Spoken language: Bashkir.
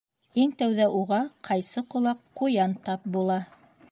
Иң тәүҙә уға ҡайсы ҡолаҡ Ҡуян тап була.